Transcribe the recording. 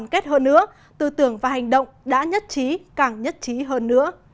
kết hơn nữa tư tưởng và hành động đã nhất trí càng nhất trí hơn nữa